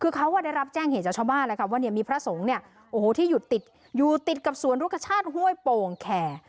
คือเขาได้รับแจ้งเหตุจ่อชาวบ้านว่ามีพระสงฆ์ที่อยู่ติดกับสวนลูกชาติห้วยโป่งแข่